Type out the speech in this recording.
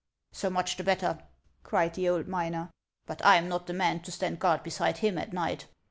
" So much the better 1" cried the old miner. " But I'm not the man to stand guard beside him at night."